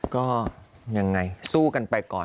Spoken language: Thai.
ก็ยังไงสู้กันไปก่อน